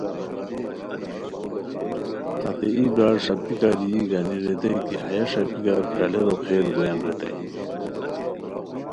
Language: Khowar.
ہتے ای برار ݰاپیکار یی گانی ریتائے کی ہیہ ݰاپیکار کالیرو خیر گویان ریتائے